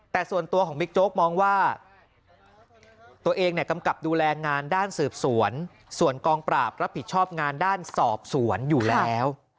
แต่ส่วนตัวของบิ๊กโจ๊กมองว่าตัวเองเนี่ยกำกับดูแลงานด้านสืบสวนส่วนกองปราบรับผิดชอบงานด้านสอบสวนอยู่แล้ว